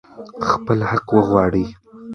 خپل حق وغواړئ.